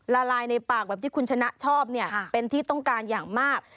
ละลายในปากแบบที่คุณชนะชอบเนี่ยเป็นที่ต้องการอย่างมาก